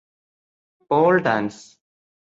Paul dance